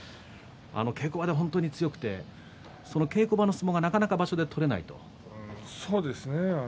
稽古場では本当に強くて稽古場の相撲がなかなか場所で取れないと。